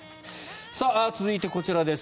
続いて、こちらです。